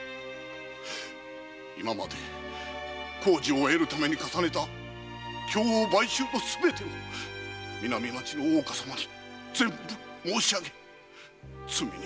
今まで工事を得るために重ねた供応買収のすべてを南町の大岡様に全部申しあげ罪に服すつもりにございます。